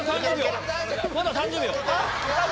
まだ３０秒！